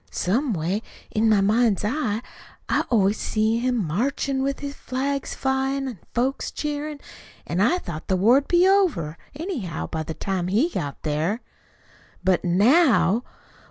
Some way, in my mind's eyes I always see him marchin' with flags flyin' an' folks cheerin'; an' I thought the war'd be over, anyhow, by the time he got there. "But, now